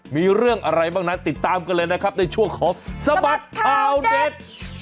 มีเรื่องอะไรบ้างนั้นติดตามกันเลยนะครับในช่วงของสบัดข่าวเด็ด